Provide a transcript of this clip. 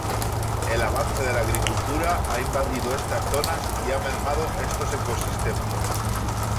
El avance de la agricultura ha invadido estas zonas y ha mermado estos ecosistemas.